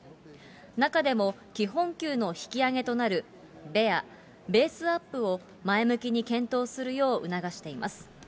中でも基本給の引き上げとなるベア・ベースアップを、前向きに検討するよう促しています。